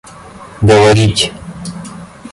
говорить